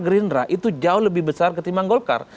gerindra itu jauh lebih besar ketimbang golkar